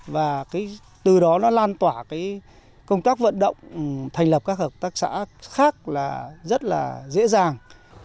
và từ đó nó lan tỏa cái công tác vận động thành lập các hợp tác xã khác là rất là dễ dàng